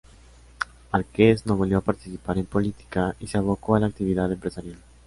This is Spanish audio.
Márquez no volvió a participar en política y se abocó a la actividad empresarial.